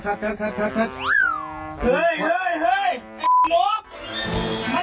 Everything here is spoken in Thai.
ฮะควรหรือเปล่ามันควรหรือเปล่า